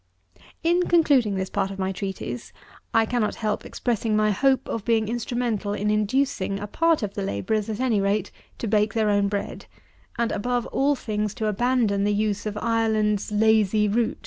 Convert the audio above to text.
99. In concluding this part of my Treatise, I cannot help expressing my hope of being instrumental in inducing a part of the labourers, at any rate, to bake their own bread; and, above all things, to abandon the use of "Ireland's lazy root."